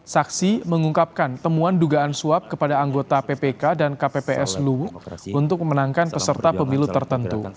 saksi mengungkapkan temuan dugaan suap kepada anggota ppk dan kpps luwu untuk memenangkan peserta pemilu tertentu